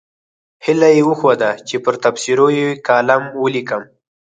هیله یې وښوده چې پر تبصرو یې کالم ولیکم.